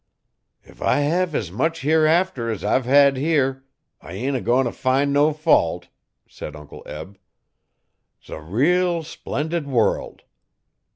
'If I hev as much hereafter es I've hed here, I ain't a goin'if fin' no fault,' said Uncle Eb. ''S a reel, splendid world.